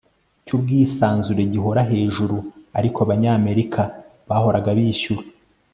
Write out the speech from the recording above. cyubwisanzure gihora hejuru, ariko abanyamerika bahoraga bishyura